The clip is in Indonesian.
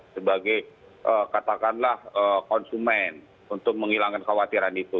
sebagai katakanlah konsumen untuk menghilangkan kekhawatiran itu